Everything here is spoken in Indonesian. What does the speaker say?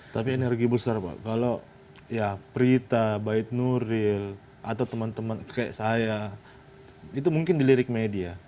tapi energi besar pak kalau ya prita baik nuril atau teman teman kayak saya itu mungkin dilirik media